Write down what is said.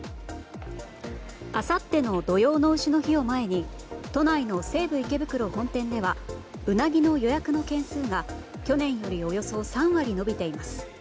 あさっての土用の丑の日を前に都内の西武池袋本店ではウナギの予約の件数が去年よりおよそ３割伸びています。